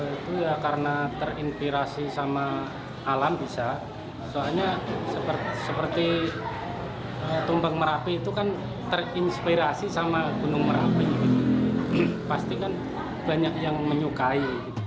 itu ya karena terinspirasi sama alam bisa soalnya seperti tumpeng merapi itu kan terinspirasi sama gunung merapi pastikan banyak yang menyukai